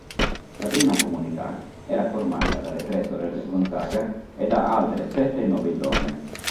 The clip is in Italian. La prima comunità era formata dalle tre sorelle Gonzaga e da altre sette nobildonne.